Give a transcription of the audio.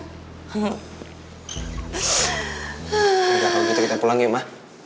udah gak mau gitu kita pulangin ma